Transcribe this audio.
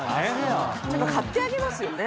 ていうか買ってあげますよね。